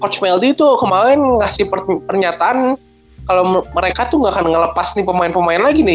coach meldi tuh kemarin ngasih pernyataan kalau mereka tuh gak akan ngelepas nih pemain pemain lagi nih